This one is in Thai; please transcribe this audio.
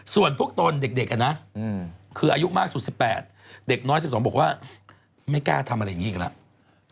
ส่วนพวกตนเด็กนะคืออายุมากสุด๑๘เด็กน้อย๑๒บอกว่าไม่กล้าทำอะไรอย่างนี้อีกแล้ว